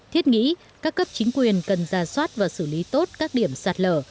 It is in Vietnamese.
thiết nghĩ các cấp chính quyền cần ra soát và xử lý tốt các điểm sạt lở